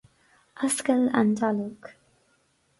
Oscail an dallóg